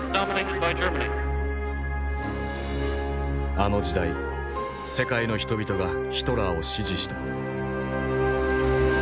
あの時代世界の人々がヒトラーを支持した。